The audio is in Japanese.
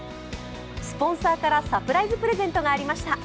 スポンサーからサプライズプレゼントがありました。